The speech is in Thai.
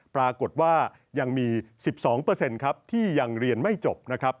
ปรากฏว่ายังมี๑๒ครับที่ยังเรียนไม่จบนะครับ